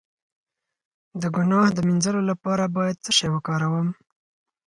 د ګناه د مینځلو لپاره باید څه شی وکاروم؟